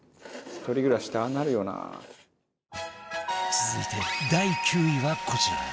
続いて第９位はこちら